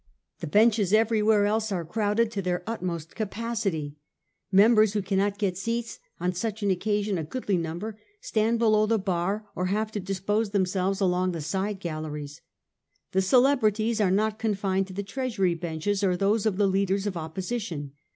The benches everywhere else are crowded to their utmost capacity. Members who cannot get seats — on such an occasion a goodly number — stand below the bar or have to dispose themselves along the side galleries. The celebrities are not confined to the Treasury benches or those of the leaders of opposition.